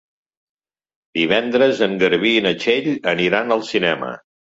Divendres en Garbí i na Txell aniran al cinema.